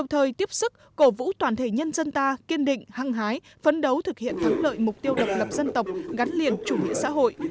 hiện thắng lợi mục tiêu độc lập dân tộc gắn liền chủ nghĩa xã hội